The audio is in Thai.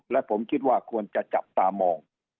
และผมคิดว่าควรจะจับตามอง